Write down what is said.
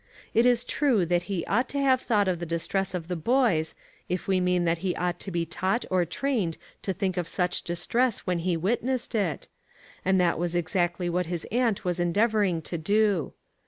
It is true, that he ought to have thought of the distress of the boys, if we mean that he ought to be taught or trained to think of such distress when he witnessed it; and that was exactly what his aunt was endeavoring to do.